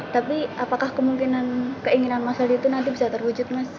tapi apakah kemungkinan keinginan mas adi itu nanti bisa terwujud mas